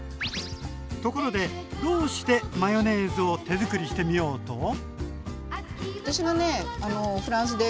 ところでどうしてマヨネーズを手づくりしてみようと？